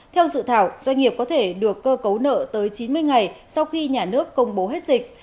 theo dự thảo doanh nghiệp có thể được cơ cấu nợ tới chín mươi ngày sau khi nhà nước công bố hết dịch